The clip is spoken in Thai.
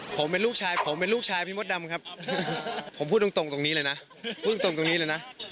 ผมเป็นลูกชายผมเป็นลูกชายพี่มดดำครับผมพูดตรงตรงนี้เลยนะพูดตรงตรงนี้เลยนะ